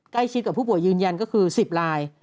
ใกล้ชิดกับผู้ป่วยยืนยันก็คือ๑๐ลาย